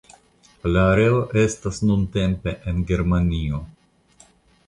La areo estas nuntempe en Germanio.